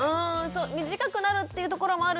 そう短くなるっていうところもあるし